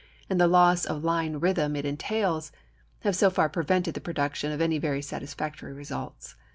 and the loss of line rhythm it entails, have so far prevented the production of any very satisfactory results.